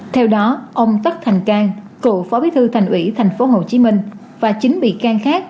theo đó ông tất thành cang cựu phó bí thư thành ủy thành phố hồ chí minh và chính bị can khác